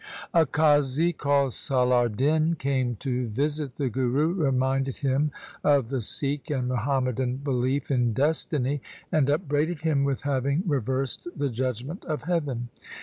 A Qazi called Salar Din came to visit the Guru, reminded him of the Sikh and Muhammadan belief in destiny, and upbraided him with having reversed the judgement of heaven.